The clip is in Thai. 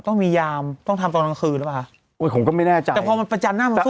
ต้องมียามต้องทำตอนนักคืนแล้วป่ะโอ้ยผมก็ไม่แน่ใจแต่พอมันประจันหน้ามันสู้